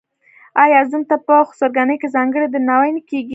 آیا زوم ته په خسرګنۍ کې ځانګړی درناوی نه کیږي؟